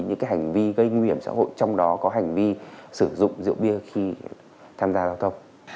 những hành vi gây nguy hiểm xã hội trong đó có hành vi sử dụng rượu bia khi tham gia giao thông